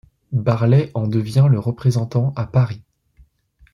Barlet en devient le représentant à Paris.